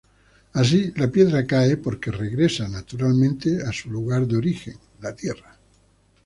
Así, la piedra cae porque regresa naturalmente a su lugar de origen, la tierra.